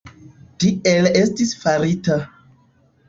Tiel estis farita.